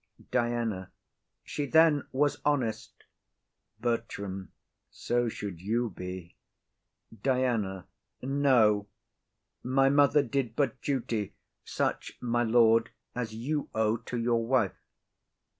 DIANA. She then was honest. BERTRAM. So should you be. DIANA. No. My mother did but duty; such, my lord, As you owe to your wife.